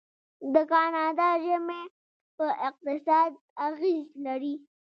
د کاناډا ژمی په اقتصاد اغیز لري.